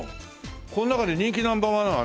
この中で人気ナンバー１は何？